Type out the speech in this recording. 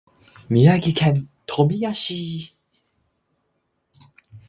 宮城県富谷市